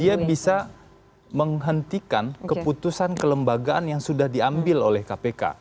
dia bisa menghentikan keputusan kelembagaan yang sudah diambil oleh kpk